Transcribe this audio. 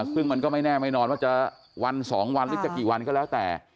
ซึ่งมันก็ไม่แน่ไม่นอนว่าจะวัน๒วันหรือจะกี่วันก็แล้วแต่